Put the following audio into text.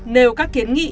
nêu các kiến nghị